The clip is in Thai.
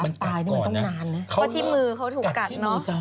ก่อนที่มือเขาถูกกัดเนอะ